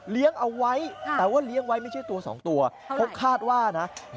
เขาบอกว่าเขาอาศัยอยู่ในหมู่บ้าน